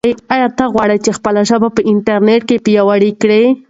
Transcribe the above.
آیا ته غواړې چې خپله ژبه په انټرنیټ کې پیاوړې کړې؟